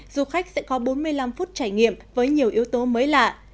du khách sẽ có bốn mươi năm phút trải nghiệm với nhiều yếu tố mới lạ